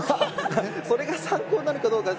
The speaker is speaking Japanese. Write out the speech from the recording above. それが参考になるかどうか。